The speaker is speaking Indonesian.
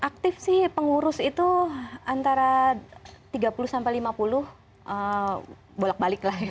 aktif sih pengurus itu antara tiga puluh sampai lima puluh bolak balik lah